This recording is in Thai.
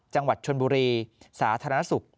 จังหวัดชนบุรีสาธารณสุข